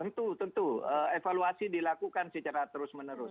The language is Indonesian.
tentu tentu evaluasi dilakukan secara terus menerus